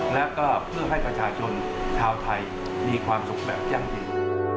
และก็เพื่อให้ประชาชนชาวไทยมีความสุขแบบยั่งยืน